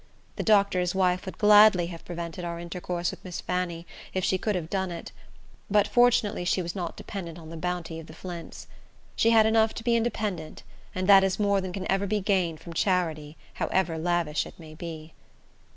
The doctor's wife would gladly have prevented our intercourse with Miss Fanny if she could have done it, but fortunately she was not dependent on the bounty of the Flints. She had enough to be independent; and that is more than can ever be gained from charity, however lavish it may be.